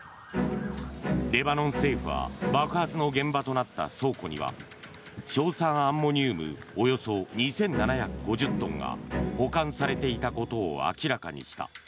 レバノン政府は爆発の現場となった倉庫には硝酸アンモニウムおよそ２７５０トンが保管されていたことを明らかにした。